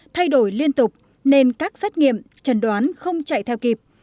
thay đổi liên tục nên các xét nghiệm trần đoán không chạy theo kịp